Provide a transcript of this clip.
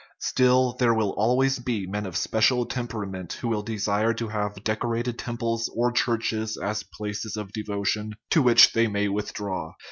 Still, there will always be men of special temperament who will desire to have decorated temples or churches as places of devotion 345 THE RIDDLE OF THE UNIVERSE to which they may withdraw.